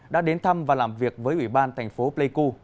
đã đến thăm và làm việc với ủy ban thành phố pleiku